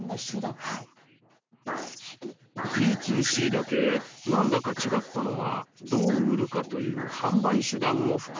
Ｄ２Ｃだけ何だか違ったのはどう売るかという販売手段も含むからだったんですね。